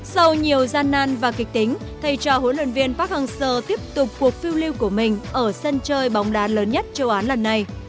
sau nhiều gian nan và kịch tính thay cho huấn luyện viên park hang seo tiếp tục cuộc phiêu lưu của mình ở sân chơi bóng đá lớn nhất châu á lần này